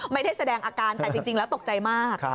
ไม่ได้แสดงอาการแต่จริงแล้วตกใจมาก